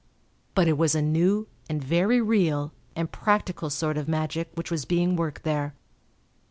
But it was a new and very real and practical sort of magic which was being worked there.